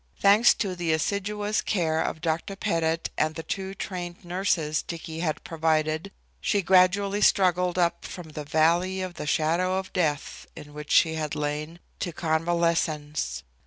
Thanks to the assiduous care of Dr. Pettit and the two trained nurses Dicky had provided she gradually struggled up from the "valley of the shadow of death" in which she had lain to convalescence.